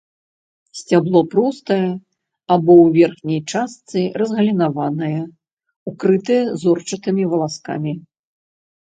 Сцябло простае або ў верхняй частцы разгалінаванае, укрытае зорчатымі валаскамі.